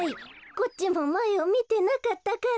こっちもまえをみてなかったから。